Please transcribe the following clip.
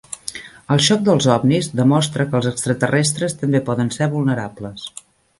El xoc dels ovnis demostra que els extraterrestres també poden ser vulnerables.